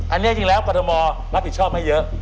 อันนี้จริงแล้วกรทมรับผิดชอบให้เยอะ